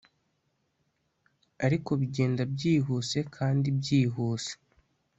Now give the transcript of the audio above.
ariko bigenda byihuse kandi byihuse